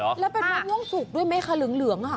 แล้วเป็นมะม่วงสุกด้วยมั้ยคลึงเหลืองอ่ะ